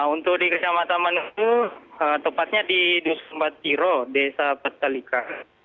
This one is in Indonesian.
untuk di kecamatan maduju tepatnya di dusmatiro desa petalika